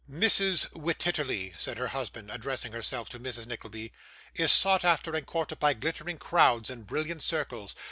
'Mrs. Wititterly,' said her husband, addressing himself to Mrs. Nickleby, 'is sought after and courted by glittering crowds and brilliant circles.